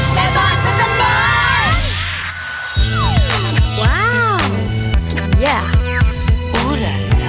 แม่บ้านพระจันทร์บ้าน